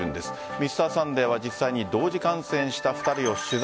「Ｍｒ．サンデー」は、実際に同時感染した２人を取材。